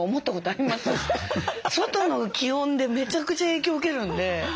外の気温でめちゃくちゃ影響受けるんで。